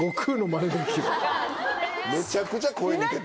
めちゃくちゃ声似てた。